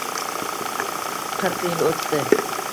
Qirq yil o’tdi